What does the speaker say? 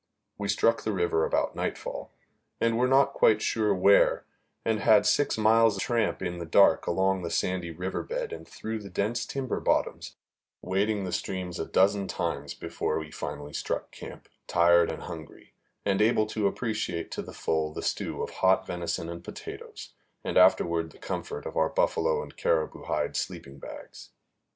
We struck the river about nightfall, and were not quite sure where, and had six miles' tramp in the dark along the sandy river bed and through the dense timber bottoms, wading the streams a dozen times before we finally struck camp, tired and hungry, and able to appreciate to the full the stew of hot venison and potatoes, and afterward the comfort of our buffalo and caribou hide sleeping bags.